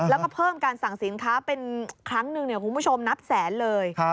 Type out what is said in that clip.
แล้วก็เพิ่มการสั่งสินค้าเป็นครั้งหนึ่งคุณผู้ชมนับแสนเลย